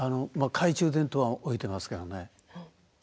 懐中電灯は置いてますけどね。